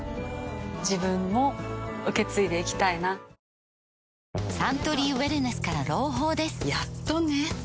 メロメロサントリーウエルネスから朗報ですやっとね